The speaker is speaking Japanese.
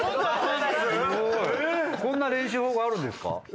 こんな練習法があるんですか？